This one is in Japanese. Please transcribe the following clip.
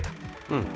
うん